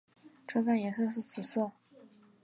车站颜色是紫色。